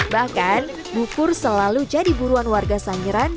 bahkan bukur selalu jadi buruan warga sangiran